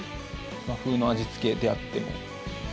和風の味付けであっても。